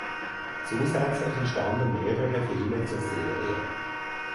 Zusätzlich entstanden mehrere Filme zur Serie.